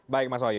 baik mas woyu